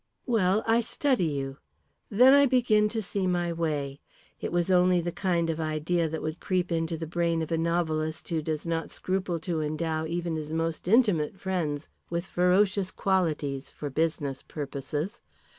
"Well, I study you. Then I begin to see my way. It was only the kind of idea that would creep into the brain of a novelist who does not scruple to endow even his most intimate friends with ferocious qualities for business purposes.